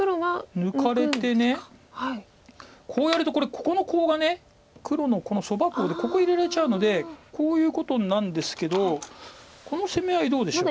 抜かれてこうやるとこれここのコウが黒のこのソバコウでここ入れられちゃうのでこういうことなんですけどこの攻め合いどうでしょう。